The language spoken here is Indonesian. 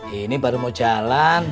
ini baru mau jalan